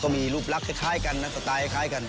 มีรูปรักษ์สไตล์คล้ายกัน